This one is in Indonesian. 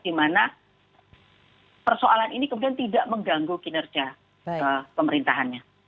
di mana persoalan ini kemudian tidak mengganggu kinerja pemerintahannya